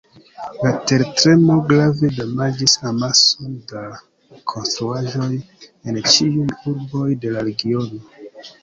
La tertremo grave damaĝis amason da konstruaĵoj en ĉiuj urboj de la regiono.